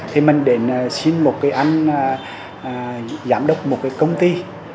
thì mình đến xin một cái anh giám đốc một cái công ty